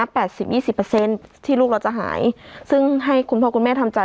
แปดสิบยี่สิบเปอร์เซ็นต์ที่ลูกเราจะหายซึ่งให้คุณพ่อคุณแม่ทำใจ